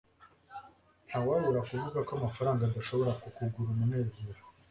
ntawabura kuvuga ko amafaranga adashobora kukugura umunezero